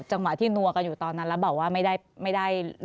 จังหวะที่นัวกันอยู่ตอนนั้นแล้วบอกว่าไม่ได้